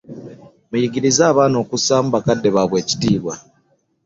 Muyigirize abaana okusaamu bakadde baabwe ekitiibwa.